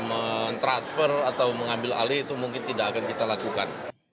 mentransfer atau mengambil alih itu mungkin tidak akan kita lakukan